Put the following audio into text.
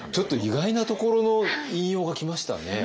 意外なところの引用が来ましたね。